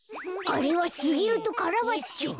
あれはすぎるとカラバッチョ。